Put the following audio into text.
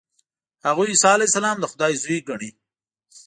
هغوی عیسی علیه السلام د خدای زوی ګڼي.